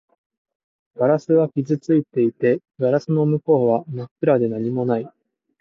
ガラスは傷ついていて、ガラスの向こうは真っ暗で何もない